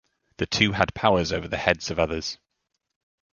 The two had powers over the heads of others.